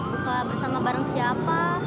buka bersama bareng siapa